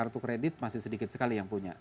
karena kartu kredit masih sedikit sekali yang punya